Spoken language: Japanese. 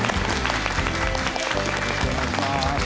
よろしくお願いします。